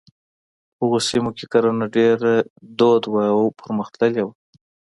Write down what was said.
په هغو سیمو کې کرنه ډېره دود وه او پرمختللې وه.